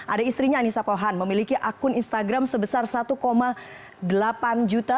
ada istrinya anissa pohan memiliki akun instagram sebesar satu delapan juta